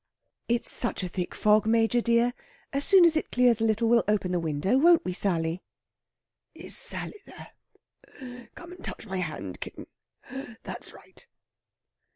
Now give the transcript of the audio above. "It's such a thick fog, Major dear. As soon as it clears a little we'll open the window. Won't we, Sally?" "Is Sally there?... Come and touch my hand, kitten.... That's right...."